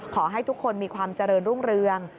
ขอให้ทุกคนมีความเจริญรุ่งเรือง